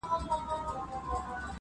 • نوې لار نوی قانون سي نوي نوي بیرغونه -